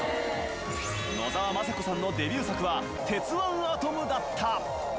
野沢雅子さんのデビュー作は『鉄腕アトム』だった。